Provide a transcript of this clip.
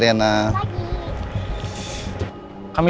oh dengan kamu